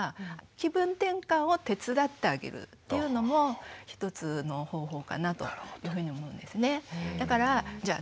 気分転換を手伝ってあげるっていうのも一つの方法かなというふうに思うんですね。